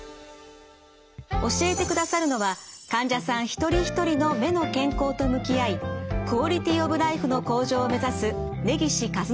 教えてくださるのは患者さん一人一人の目の健康と向き合いクオリティオブライフの向上を目指す根岸一乃さんです。